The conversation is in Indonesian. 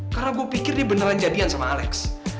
karena gue pikir dia beneran jadian sama alex